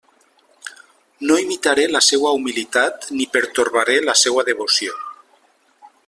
No imitaré la seua humilitat ni pertorbaré la seua devoció.